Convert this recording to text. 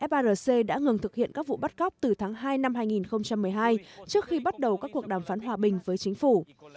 farc đã ngừng thực hiện các vụ bắt cóc từ tháng hai năm hai nghìn một mươi hai trước khi bắt đầu các cuộc đàm phán hòa bình với chính phủ